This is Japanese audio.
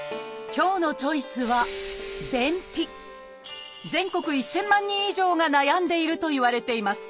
今日のチョイスは全国１，０００万人以上が悩んでいるといわれています。